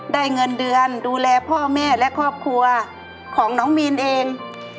เงินเดือนดูแลพ่อแม่และครอบครัวของน้องมีนเอง